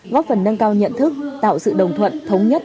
góp phần nâng cao nhận thức tạo sự đồng thuận thống nhất